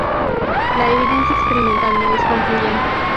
La evidencia experimental no es concluyente.